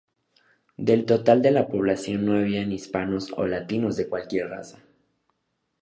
Del total de la población no habían hispanos o latinos de cualquier raza.